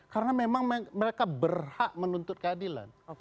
karena memang mereka berhak menuntut keadilan